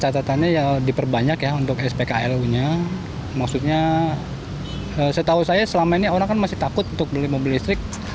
catatannya diperbanyak untuk spklu nya maksudnya setahu saya selama ini orang kan masih takut untuk beli mobil listrik